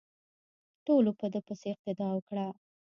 ټولو په ده پسې اقتدا وکړه.